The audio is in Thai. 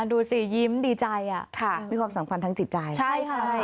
ดูสิยิ้มดีใจอะค่ะมีความสำคัญทั้งจิตใจใช่ค่ะ